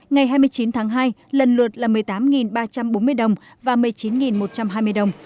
ngày hai mươi chín tháng hai lần lượt là một mươi tám ba trăm bốn mươi đồng và một mươi chín một trăm hai mươi đồng